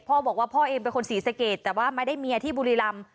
พ่อบอกว่าพ่อเองเป็นคนศรีสะเกดแต่ว่าไม่ได้เมียที่บุรีรำ